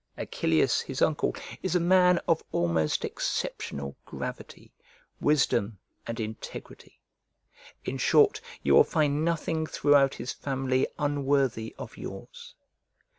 Acilius, his uncle, is a man of almost exceptional gravity, wisdom, and integrity. In short, you will find nothing throughout his family unworthy of yours.